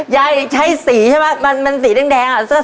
ยายใช้สีใช่มะมันสีแดง